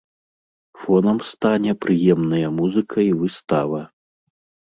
Фонам стане прыемная музыка і выстава.